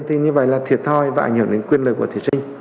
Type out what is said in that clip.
thì như vậy là thiệt thôi và ảnh hưởng đến quyền lời của thí sinh